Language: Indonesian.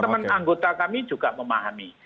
teman anggota kami juga memahami